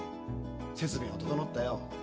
設備が整ったよ」